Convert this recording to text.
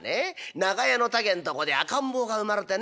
長屋の竹んとこで赤ん坊が生まれてね。